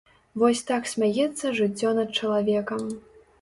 Вось так смяецца жыццё над чалавекам.